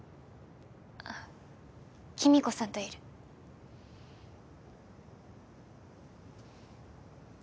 あ貴美子さんといる誰？